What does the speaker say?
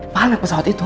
mana pesawat itu